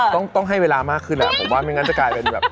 ต้องให้เวลามากขึ้นผมว่าไม่งั้นจะกลายเป็นแบบ